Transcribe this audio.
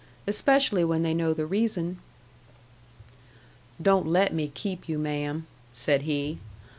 "Especially when they know the reason." "Don't let me keep you, ma'am," said he.